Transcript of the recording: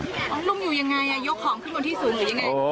ลุงอยู่ยังไงยกของขึ้นบนที่สูงหรือยังไง